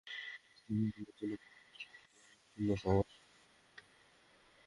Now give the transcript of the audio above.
একটি ধাপে ভুলের জন্য পুরো প্রশ্নের উত্তরে শূন্য পাওয়ার সুযোগ নেই।